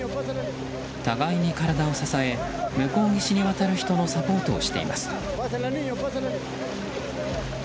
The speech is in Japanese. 互いに体を支え向こう岸に渡る人のサポートをしています。